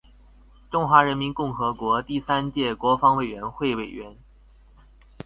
中华人民共和国第三届国防委员会委员。